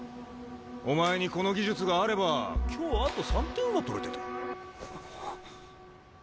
お前にこの技術があれば今日あと３点は取れてた。